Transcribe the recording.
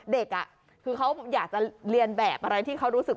เด็กคือเขาอยากจะเรียนแบบอะไรที่เขารู้สึก